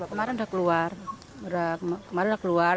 kemarin udah keluar kemarin sudah keluar